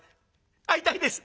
会いたいです。